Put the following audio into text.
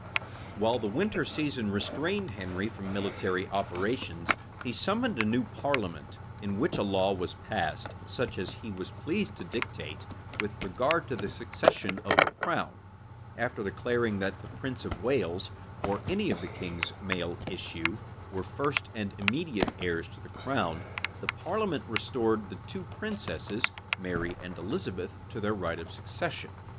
{1544.} While the winter season restrained Henry from military operations, he summoned a new parliament, in which a law was passed, such as he was pleased to dictate, with regard to the succession of the crown. After declaring that the prince of Wales, or any of the king's male issue, were first and immediate heirs to the crown, the parliament restored the two princesses, Mary and Elizabeth, to their right of succession.